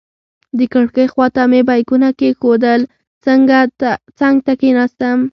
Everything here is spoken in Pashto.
د کړکۍ خواته مې بیکونه کېښودل، څنګ ته کېناستم.